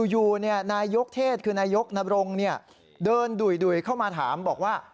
อยู่นายยกเทศคือนายกนรงเดินดุยเข้ามาถามบอกว่า